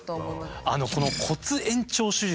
この骨延長手術